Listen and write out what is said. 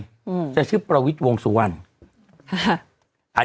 อืมจะชื่อประวิติวงศ์สุวรรณ